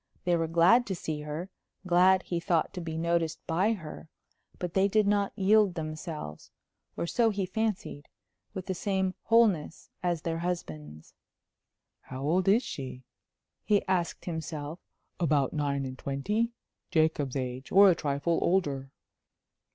They were glad to see her; glad, he thought, to be noticed by her. But they did not yield themselves or so he fancied with the same wholeness as their husbands. "How old is she?" he asked himself. "About nine and twenty?... Jacob's age or a trifle older."